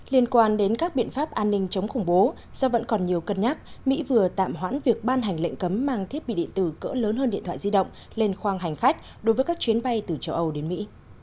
liên quan đến các biện pháp an ninh chống khủng bố do vẫn còn nhiều cân nhắc mỹ vừa tạm hoãn việc ban hành lệnh cấm mang thiết bị điện tử cỡ lớn hơn điện thoại di động lên khoang hành khách đối với các chuyến bay từ châu âu đến mỹ